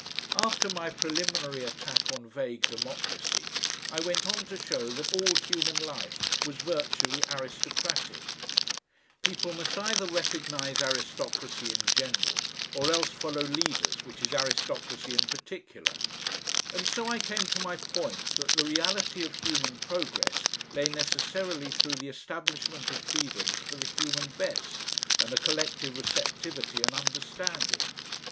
After my preliminary attack on vague democracy I went on to show that all human life was virtually aristocratic; people must either recognise aristocracy in general or else follow leaders, which is aristocracy in particular, and so I came to my point that the reality of human progress lay necessarily through the establishment of freedoms for the human best and a collective receptivity and understanding.